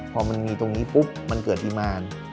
พอมันมีตรงนี้ปุ๊บมันเกิดอีมาร